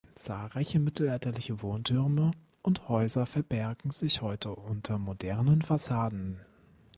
Zahlreiche mittelalterliche Wohntürme und Häuser verbergen sich heute unter modernen Fassaden.